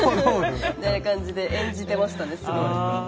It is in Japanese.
みたいな感じで演じてましたねすごい。